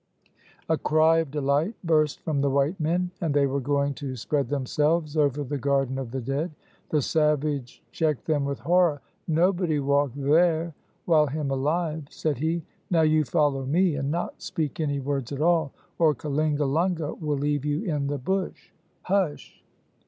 A cry of delight burst from the white men, and they were going to spread themselves over the garden of the dead. The savage checked them with horror. "Nobody walk there while him alive," said he. "Now you follow me and not speak any words at all, or Kalingalunga will leave you in the bush. Hush!"